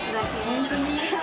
本当に？